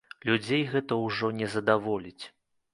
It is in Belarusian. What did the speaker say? Людзей гэта ўжо не задаволіць.